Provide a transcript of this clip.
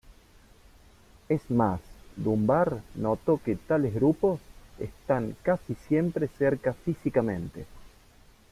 Es más, Dunbar notó que tales grupos están casi siempre cerca físicamente.